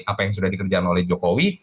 apa yang sudah dikerjakan oleh jokowi